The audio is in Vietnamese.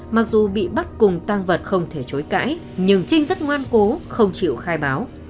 mặc dù bị bắt cùng tăng vật không thể chối cãi nhưng trinh rất ngoan cố không chịu khai báo